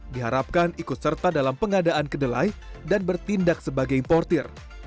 diharapkan ikut serta dalam pengadaan kedelai dan bertindak sebagai importir